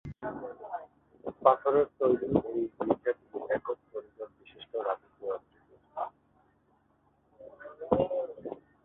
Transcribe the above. পাথরের তৈরি এই গির্জাটি একক করিডোর বিশিষ্ট রাজকীয় আকৃতির।